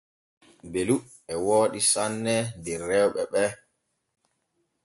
Belu e wooɗi sanne der rewɓe ɓe.